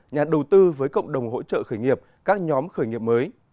nhà đầu tư với cộng đồng hỗ trợ khởi nghiệp các nhóm khởi nghiệp mới